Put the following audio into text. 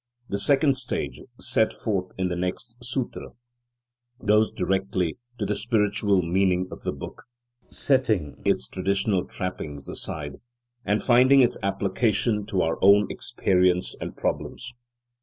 The second stage, set forth in the next Sutra, goes directly to the spiritual meaning of the book, setting its traditional trappings aside and finding its application to our own experience and problems.